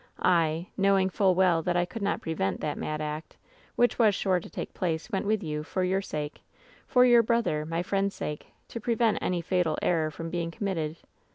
I — ^knowing full well that I could not prevent that mad act which was sure to take place — ^went with you, for your sake, for your brother, my friend's sake, to prevent any fatal error from being committed.